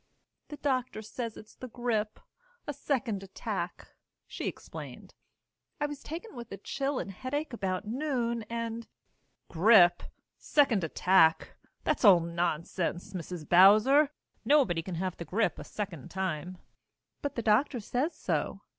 "The doctor says it's the grip a second attack," she explained. "I was taken with a chill and headache about noon and " "Grip? Second attack? That's all nonsense, Mrs. Bowser! Nobody can have the grip a second time." "But the doctor says so."